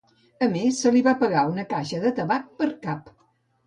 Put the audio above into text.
A més, se li va pagar una caixa de tabac per cap.